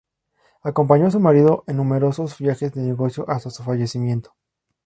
Acompañó a su marido en sus numerosos viajes de negoció hasta su fallecimiento.